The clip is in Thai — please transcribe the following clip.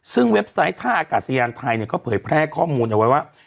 ซึ่งเว็บไซต์ท่าอากาศยานไทยก็เผยแพร่ข้อมูลเอาไว้ว่า